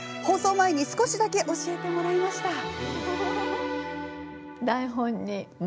放送前に少しだけ教えてもらいました。